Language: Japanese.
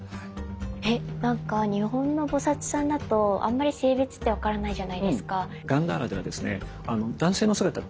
えっ⁉なんか日本の菩さんだとあんまり性別って分からないじゃないですか。